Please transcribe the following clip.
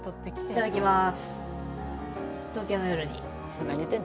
「いただきます」